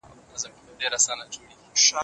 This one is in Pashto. سرچینې باید د ټولو لپاره وي.